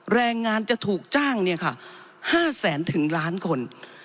แรงงานจะถูกจ้างเนี่ยค่ะห้าแสนถึงล้านคน